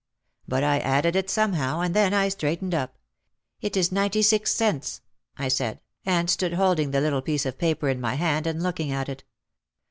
But I added it somehow, and then I straightened up. "It is ninety six cents," I said and stood holding the little piece of paper in my hand and looking at it.